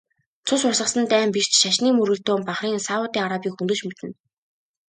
Цус урсгасан дайн биш ч шашны мөргөлдөөн Бахрейн, Саудын Арабыг хөндөж мэднэ.